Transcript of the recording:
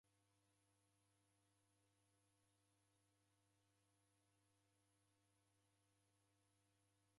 Icho ni kizong'ona chiko moyo